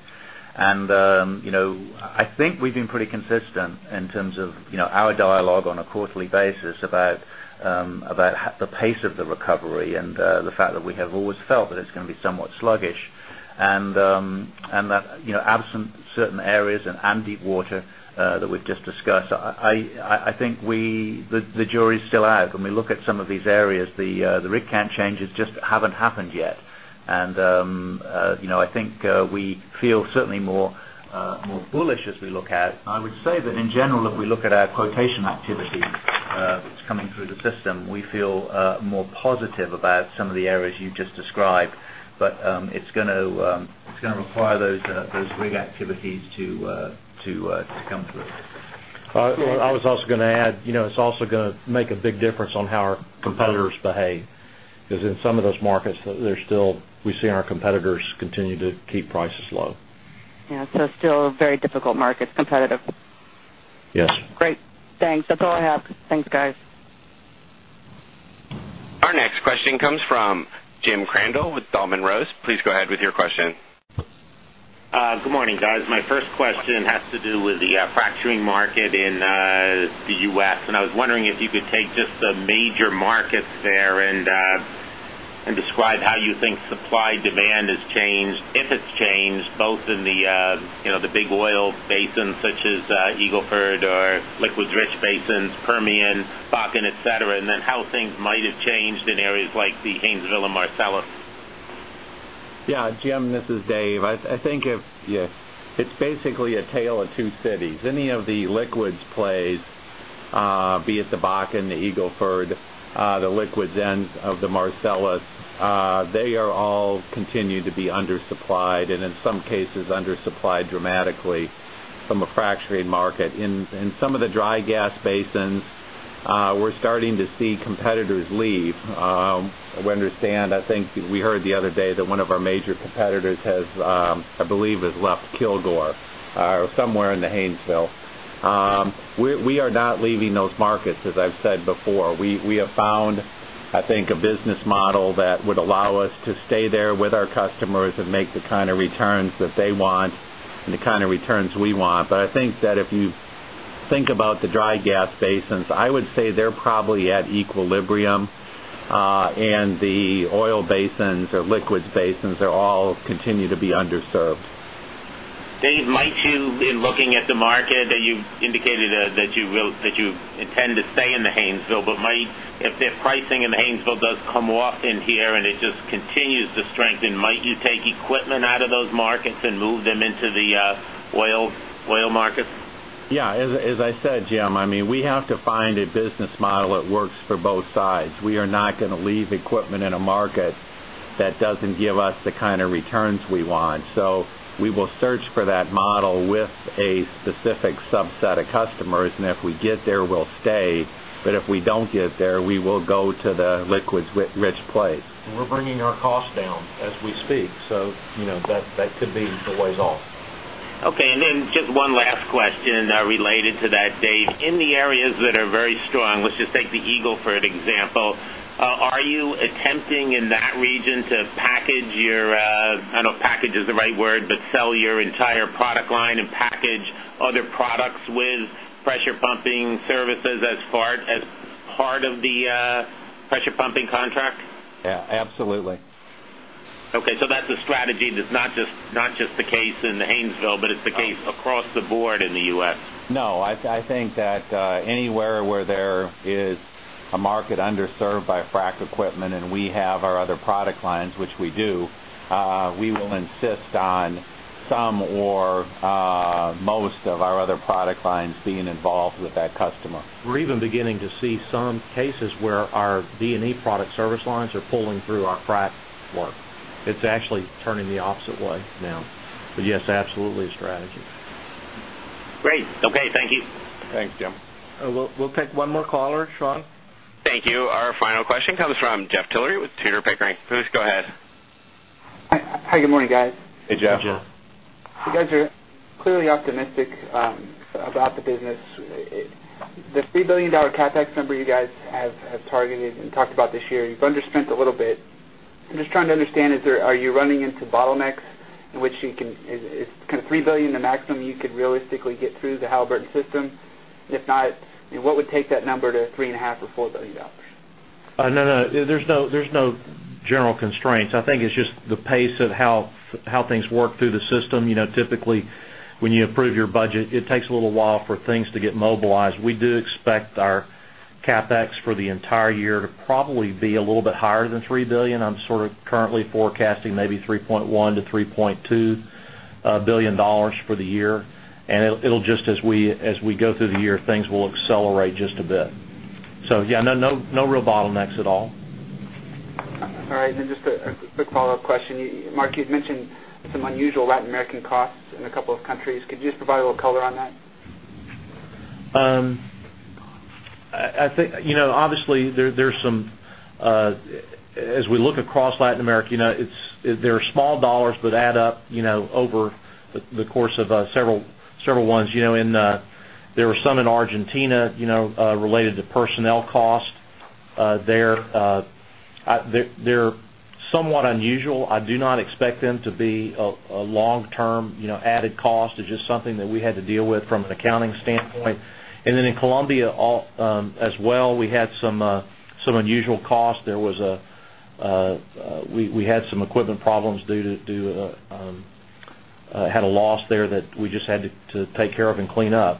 I think we've been pretty consistent in terms of our dialogue on a quarterly basis about the pace of the recovery and the fact that we have always felt that it's going to be somewhat sluggish and that absent certain areas and deepwater that we've just discussed, I think the jury's still out. When we look at some of these areas, the rig count changes just haven't happened yet. I think we feel certainly more bullish as we look out. I would say that in general, if we look at our quotation activity coming through the system, we feel more positive about some of the areas you've just described, but it's going to require those rig activities to come through. I was also going to add, you know, it's also going to make a big difference on how our competitors behave, because in some of those markets, we're seeing our competitors continue to keep prices low. Yemarketsah, still very difficult, competitive. Yes. Great. Thanks, that's all I have. Thanks, guys. Our next question comes from Jim Crandell with Dahlman Rose. Please go ahead with your question. Good morning, guys. My first question has to do with the fracturing market in the U.S., and I was wondering if you could take just the major markets there and describe how you think supply-demand has changed, if it's changed, both in the big oil basins such as Eagle Ford or liquids-rich basins, Permian, Bakken, etc., and then how things might have changed in areas like the Haynesville and Marcellus. Yeah, Jim, this is Dave. I think it's basically a tale of two cities. Any of the liquids plays, be it the Bakken, the Eagle Ford, the liquids ends of the Marcellus, they all continue to be undersupplied and in some cases undersupplied dramatically from a fracturing market. In some of the dry gas basins, we're starting to see competitors leave. We understand, I think we heard the other day that one of our major competitors has, I believe, has left Kilgore or somewhere in the Haynesville. We are not leaving those markets, as I've said before. We have found, I think, a business model that would allow us to stay there with our customers and make the kind of returns that they want and the kind of returns we want. I think that if you think about the dry gas basins, I would say they're probably at equilibrium, and the oil basins or liquids basins are all continuing to be underserved. Dave, might you be looking at the market that you've indicated that you intend to stay in the Hainesville, but if pricing in the Hainesville does come off in here and it just continues to strengthen, might you take equipment out of those markets and move them into the oil markets? Yeah, as I said, Jim, we have to find a business model that works for both sides. We are not going to leave equipment in a market that doesn't give us the kind of returns we want. We will search for that model with a specific subset of customers, and if we get there, we'll stay. If we don't get there, we will go to the liquids-rich place. We're bringing our costs down as we speak, that could be the way to go. Okay, and then just one last question related to that, Dave. In the areas that are very strong, let's just take the Eagleford example. Are you attempting in that region to package your, I don't know if package is the right word, but sell your entire product line and package other products with pressure pumping services as part of the pressure pumping contract? Yeah, absolutely. Okay, that's a strategy that's not just the case in the Hainesville, but it's the case across the board in the U.S.? No, I think that anywhere where there is a market underserved by frac equipment, and we have our other product lines, which we do, we will insist on some or most of our other product lines being involved with that customer. We're even beginning to see some cases where our D&E product service lines are pulling through our frac floor. It's actually turning the opposite way now. Yes, absolutely a strategy. Great. Okay, thank you. Thanks, Jim. We'll take one more caller, Sean. Thank you. Our final question comes from Jeff Tillery with Tudor, Pickering. Please go ahead. Hi, good morning, guys. Hey, Jeff. Hey, Jeff. You guys are clearly optimistic about the business. The $3 billion CapEx number you guys have targeted and talked about this year, you've underspent a little bit. I'm just trying to understand, are you running into bottlenecks in which you can, is kind of $3 billion the maximum you could realistically get through the Halliburton system? If not, what would take that number to $3.5 or $4 billion? No, there's no general constraints. I think it's just the pace of how things work through the system. Typically, when you approve your budget, it takes a little while for things to get mobilized. We do expect our CapEx for the entire year to probably be a little bit higher than $3 billion. I'm currently forecasting maybe $3.1-$3.2 billion for the year, and as we go through the year, things will accelerate just a bit. Yeah, no real bottlenecks at all. All right, just a quick follow-up question. Mark, you've mentioned some unusual Latin American costs in a couple of countries. Could you just provide a little color on that? I think, obviously there's some, as we look across Latin America, there are small dollars that add up over the course of several ones. There were some in Argentina related to personnel cost there. They're somewhat unusual. I do not expect them to be a long-term added cost. It's just something that we had to deal with from an accounting standpoint. In Colombia as well, we had some unusual costs. We had some equipment problems due to, had a loss there that we just had to take care of and clean up.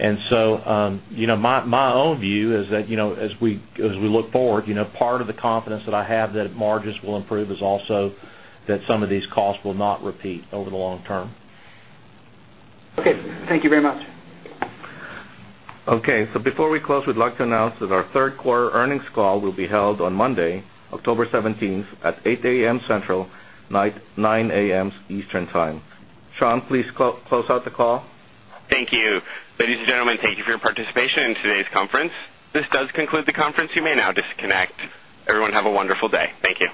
My own view is that, as we look forward, part of the confidence that I have that margins will improve is also that some of these costs will not repeat over the long term. Okay, thank you very much. Okay, so before we close, we'd like to announce that our third quarter earnings call will be held on Monday, October 17, at 8:00 A.M. Central, 9:00 A.M. Eastern Time. Sean, please close out the call. Thank you. Ladies and gentlemen, thank you for your participation in today's conference. This does conclude the conference. You may now disconnect. Everyone, have a wonderful day. Thank you.